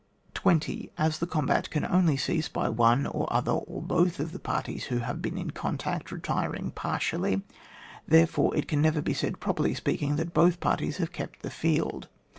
20. As a combat can only cease by one or other, or both of the parties who have been in contact, retiring partially, therefore, it can never be said, properly speaking, that both peirties have kept the field.